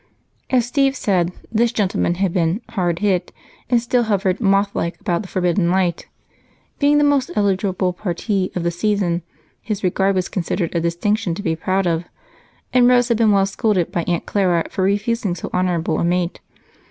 As Steve said, this gentleman had been "hard hit" and still hovered mothlike about the forbidden light. Being the most eligible parti of the season, his regard was considered a distinction to be proud of, and Rose had been well scolded by Aunt Clara for refusing so honorable a mate.